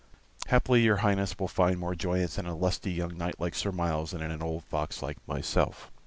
Haply your Highness will find more joyance in a lusty young knight like Sir Myles than in an old fox like myself.